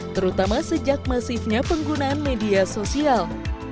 terutama sejak masifnya penggunaan media sosial